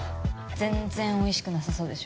全然おいしくなさそうでしょ？